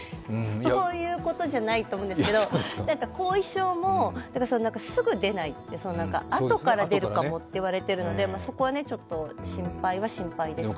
そういうことじゃないと思うんですけど、後遺症も、すぐ出ない、あとから出るかもと言われているので、そこはちょっと心配は心配です。